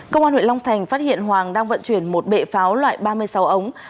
công an huyện long thành phát hiện hoàng đang vận chuyển một bệ pháo loại ba mươi sáu ống